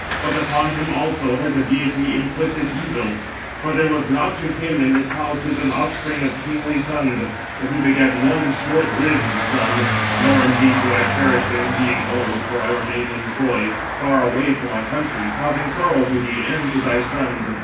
797 But upon him also has a deity inflicted evil, for there was not to him in his palaces an offspring of kingly sons; but he begat one short lived son; nor indeed do I cherish him, being old, for I remain in Troy, far away from my country, causing sorrow to thee and to thy sons.